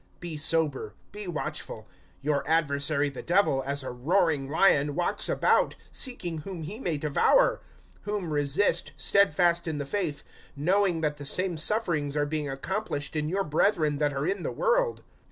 (8)Be sober, be watchful. Your adversary the Devil, as a roaring lion, walks about, seeking whom he may devour; (9)whom resist, steadfast in the faith, knowing that the same sufferings are being accomplished in your brethren that are in the world.